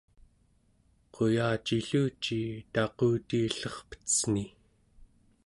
quyacilluci taqutiillerpecen̄i